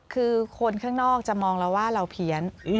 คือคนข้างนอกจะมองเราว่าเราเพี้ยน